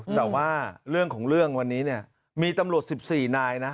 แต่ว่าเรื่องของเรื่องวันนี้เนี่ยมีตำรวจ๑๔นายนะ